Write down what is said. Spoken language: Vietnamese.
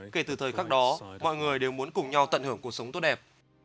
kể từ thời khắc đó mọi người đều muốn cùng nhau tận hưởng cuộc sống tốt đẹp